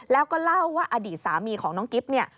แล้วก็เล่าว่าอดีตสามีของน้องกิฟต์